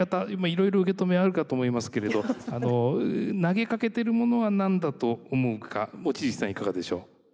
いろいろ受け止めあるかと思いますけれど投げかけてるものは何だと思うか望月さんいかがでしょう？